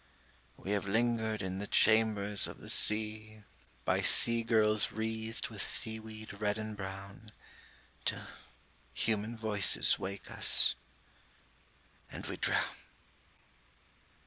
We have lingered in the chambers of the sea By sea girls wreathed with seaweed red and brown Till human voices wake us, and we drown.